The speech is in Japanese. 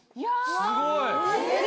すごい！